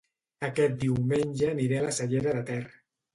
Aquest diumenge aniré a La Cellera de Ter